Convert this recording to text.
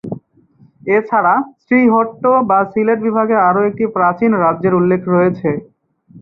এছাড়া শ্রীহট্ট বা সিলেট বিভাগে আরো একটি প্রাচীন রাজ্যের উল্লেখ রয়েছে।